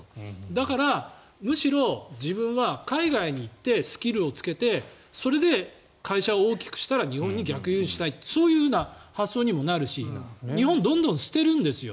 だから、むしろ自分は海外に行ってスキルをつけてそれで会社を大きくしたら日本に逆輸入したいというそういう発想になるし日本、どんどん捨てるんですよ。